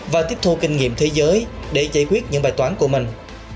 và tiếp thu kinh nghiệm thế giới để giải quyết những bài toán của mình